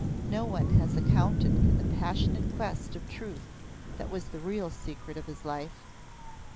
No one has accounted for the passionate quest of truth that was the real secret of his life.